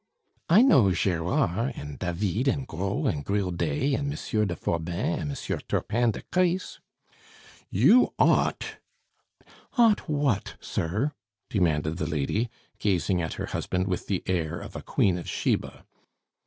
"I know Gerard and David and Gros and Griodet, and M. de Forbin and M. Turpin de Crisse " "You ought " "Ought what, sir?" demanded the lady, gazing at her husband with the air of a Queen of Sheba.